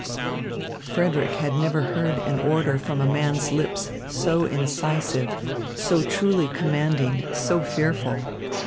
Frederick had never heard an order from a man's lips so incisive, so truly commanding, so fearful.